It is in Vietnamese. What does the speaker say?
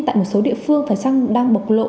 tại một số địa phương phải chăng đang bộc lộ